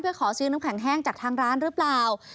เพื่อขอซื้อน้ำแข็งแห้งจากทางร้านหรือเปล่า